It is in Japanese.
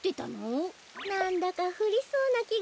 なんだかふりそうなきがしたんですよ。